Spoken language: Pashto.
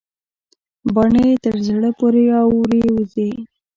باڼه يې تر زړه پورې اورې وزي.